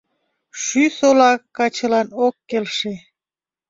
Шӱ-сола качылан ок келше.